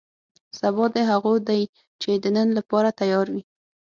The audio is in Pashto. سبا دې هغو دی چې د نن لپاره تیار وي.